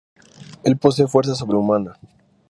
Él posee fuerza sobrehumana.